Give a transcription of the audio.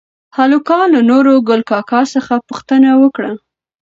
هلکانو له نورګل کاکا څخه پوښتنه وکړه؟